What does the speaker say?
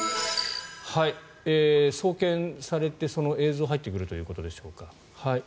送検されて、その映像が入ってくるということでしょうか。